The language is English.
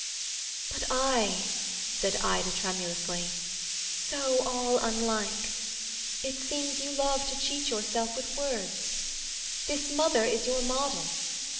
'But I,' Said Ida, tremulously, 'so all unlike It seems you love to cheat yourself with words: This mother is your model.